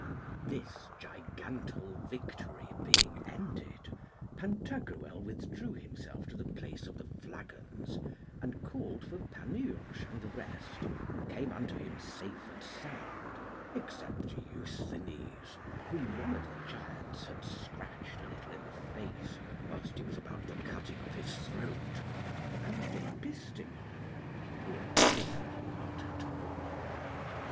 This gigantal victory being ended, Pantagruel withdrew himself to the place of the flagons, and called for Panurge and the rest, who came unto him safe and sound, except Eusthenes, whom one of the giants had scratched a little in the face whilst he was about the cutting of his throat, and Epistemon, who appeared not at all.